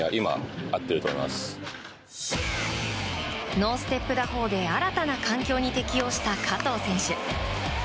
ノーステップ打法で新たな環境に適応した加藤選手。